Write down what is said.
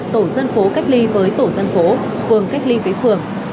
tổ dân phố cách ly với tổ dân phố phường cách ly với phường